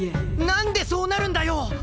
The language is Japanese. なんでそうなるんだよ！